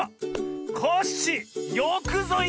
コッシーよくぞいった！